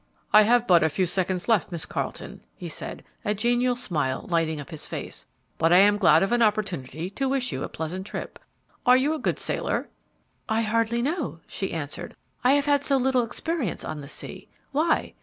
"I have but a few seconds left, Miss Carleton," he said, a genial smile lighting up his face; "but I am glad of an opportunity to wish you a pleasant trip. Are you a good sailor?" "I hardly know," she answered. "I have had so little experience on the sea. Why?